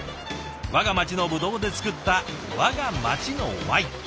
我が町のブドウで造った我が町のワイン。